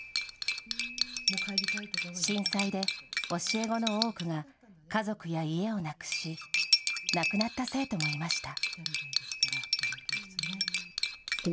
震災で、教え子の多くが家族や家をなくし、亡くなった生徒もいました。